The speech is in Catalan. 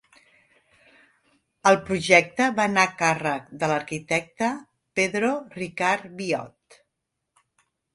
El projecte va anar a càrrec de l'arquitecte Pedro Ricard Biot.